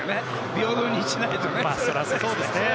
平等にしないとね。